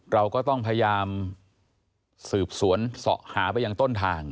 เราก็ต้องพยายามสืบสวนเสาะหาไปยังต้นทาง